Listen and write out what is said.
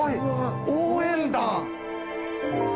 「応援団」。